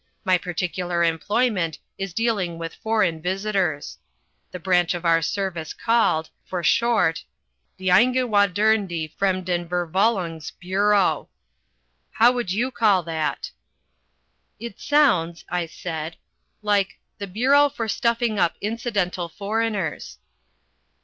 My particular employment is dealing with foreign visitors the branch of our service called, for short, the Eingewanderte Fremden Verfullungs Bureau. How would you call that?" "It sounds," I said, "like the Bureau for Stuffing Up Incidental Foreigners."